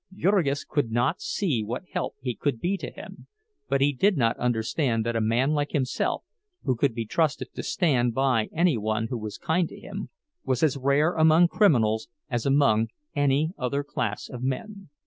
Jurgis could not see what help he could be to him; but he did not understand that a man like himself—who could be trusted to stand by any one who was kind to him—was as rare among criminals as among any other class of men.